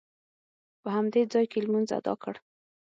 په همدې ځاې کې لمونځ ادا کړ.